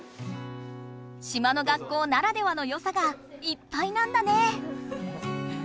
島の学校ならではのよさがいっぱいなんだね！